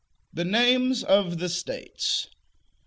THE NAMES OF THE STATES.